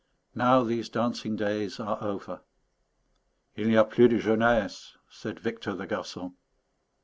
Now these dancing days are over. "Il n'y a plus de jeunesse," said Victor the garçon.